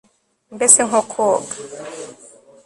mbese nko kwoga